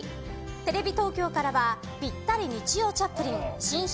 テレビ東京からはぴったりにちようチャップリン新春！